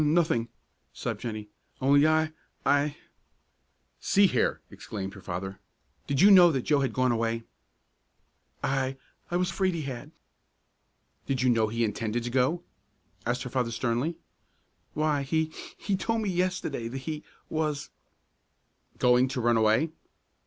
"N nothing," sobbed Jennie, "only I I " "See here!" exclaimed her father, "did you know that Joe had gone away?" "I I was afraid he had." "Did you know he intended to go?" asked her father, sternly. "Why, he he told me yesterday that he was " "Going to run away?"